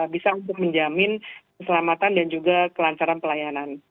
bisa untuk menjamin keselamatan dan juga kelancaran pelayanan